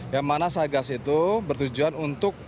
yang mana satgas itu bertujuan untuk